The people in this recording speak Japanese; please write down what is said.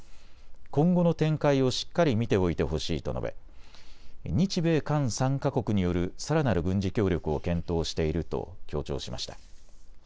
今後の展開をしっかり見ておいてほしいと述べ日米韓３か国によるさらなる軍事協力を検討していると強調しました。